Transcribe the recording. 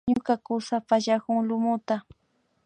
Ñuka kusa pallakun lumuta